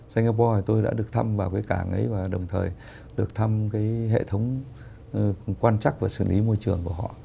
singapore tôi đã được thăm vào cái cảng ấy và đồng thời được thăm hệ thống quan trắc và xử lý môi trường của họ